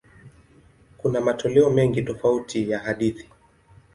Kuna matoleo mengi tofauti ya hadithi.